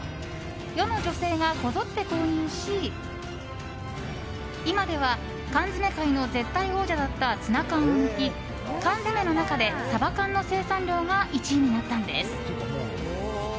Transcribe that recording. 世の女性がこぞって購入し今では缶詰界の絶対王者だったツナ缶を抜き缶詰の中でサバ缶の生産量が１位になったのです。